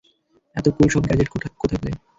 এত কুল সব গ্যাজেট কোথায় পেলে?